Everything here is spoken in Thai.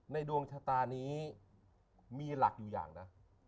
ดวงชะตานี้มีหลักอยู่อย่างนะ